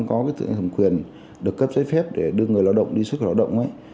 có tự nhiên thẩm quyền được cấp giấy phép để đưa người lao động đi xuất khẩu lao động ấy